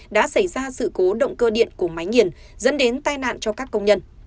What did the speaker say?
đã xảy ra sự cố động cơ điện của máy nghiền dẫn đến tai nạn cho các công nhân